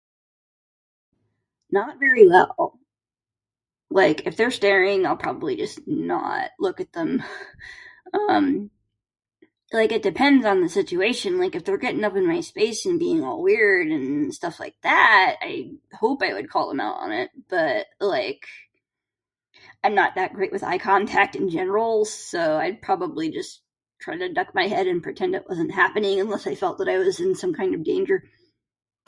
Not very well. Like, if they're staring I'll probably just not look at them. Um, like it depends on the situation. Like, if they're getting up in my space and being all weird and stuff like that, I hope I would call them out on it. But, like, I'm not that great with eye contact in general, so I'd probably just try to duck my head and pretend it wasn't happening unless I felt that I was in some kind of danger.